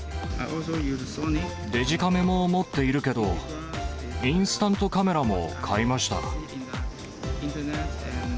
デジカメも持っているけど、インスタントカメラも買いました。